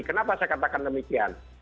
kenapa saya katakan demikian